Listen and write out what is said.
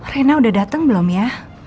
rena udah datang belum ya